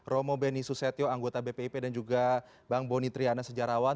romo beni susetio anggota bpip dan juga bang boni triana sejarawan